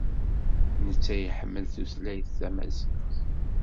Netta iḥemmel tutlayt tamaziɣt.